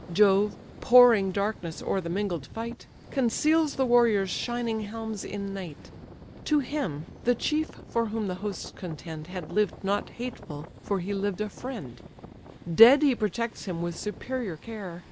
Jove, pouring darkness o'er the mingled fight, Conceals the warriors' shining helms in night: To him, the chief for whom the hosts contend Had lived not hateful, for he lived a friend: Dead he protects him with superior care.